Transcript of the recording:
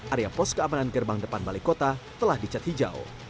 area pos keamanan gerbang depan balai kota telah dicat hijau